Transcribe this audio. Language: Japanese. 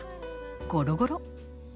ゴロゴロ。